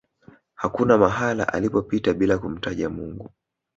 hakuna mahala alipopita bila kumtaja mungu